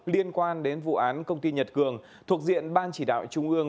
liên quan đến vụ án công ty nhật cường thuộc diện ban chỉ đạo trung ương